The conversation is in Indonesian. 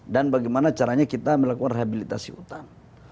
dan bagaimana caranya kita melakukan rehabilitasi hutan